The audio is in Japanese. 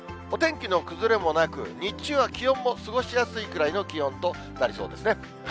お天気の崩れもなく、日中は気温も、過ごしやすいくらいの気温となりそうですね。